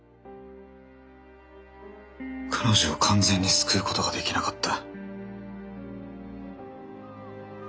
彼女を完全に救うことができなかった。